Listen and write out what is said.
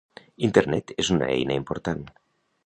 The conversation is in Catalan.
Internet és una eina important.